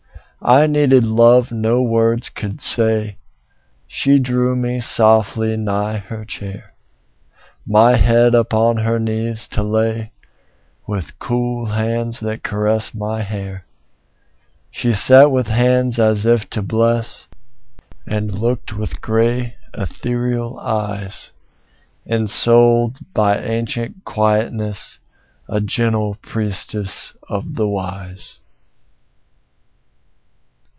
I needed love no words could say; She drew me softly nigh her chair, My head upon her knees to lay, With cool hands that caressed my hair. She sat with hands as if to bless, And looked with grave, ethereal eyes; Ensouled by ancient quietness, A gentle priestess of the Wise.